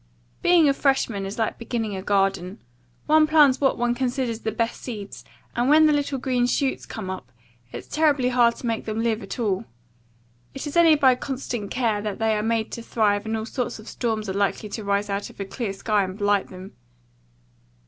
"Being a freshman is like beginning a garden. One plants what one considers the best seeds, and when the little green shoots come up, it's terribly hard to make them live at all. It is only by constant care that they are made to thrive and all sorts of storms are likely to rise out of a clear sky and blight them.